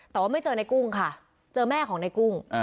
แต่ว่าไม่เจอในกุ้งค่ะเจอแม่ของในกุ้ง